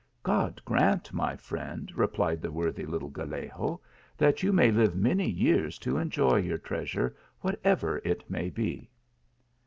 " God grant, my friend," replied the worthy little Gallego, "that you may live many years to enjoy your treasure, whatever it may be."